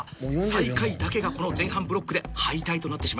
最下位だけがこの前半ブロックで敗退となってしまいます。